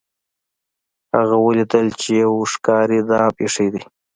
هغه ولیدل چې یو ښکاري دام ایښی دی.